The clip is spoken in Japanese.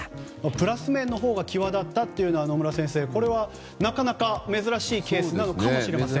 プラス面のほうが際立ったというのは野村先生、これはなかなか珍しいケースなのかもしれません。